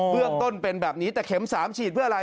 เรื่องต้นเป็นแบบนี้แต่เข็ม๓ฉีดเพื่ออะไร